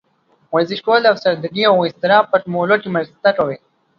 ورزش کول د افسردګۍ او اضطراب په کمولو کې مرسته کوي.